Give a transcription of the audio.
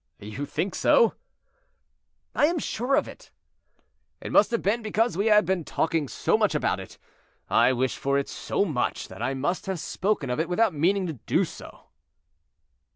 "You think so?" "I am sure of it." "It must have been because we had been talking so much about it. I wish for it so much that I must have spoken of it without meaning to do so."